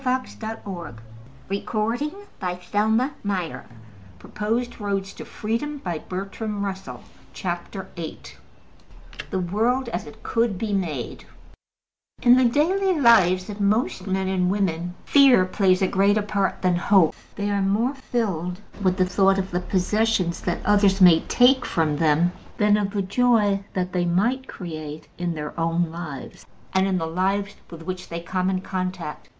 In this as in nearly everything else, the road to all that is best is the road of freedom. CHAPTER VIII THE WORLD AS IT COULD BE MADE IN the daily lives of most men and women, fear plays a greater part than hope: they are more filled with the thought of the possessions that others may take from them, than of the joy that they might create in their own lives and in the lives with which they come in contact.